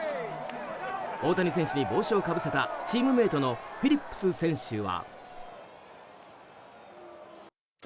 大谷選手に帽子をかぶせたチームメートのフィリップス選手は。